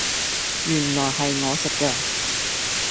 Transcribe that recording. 原來係我食㗎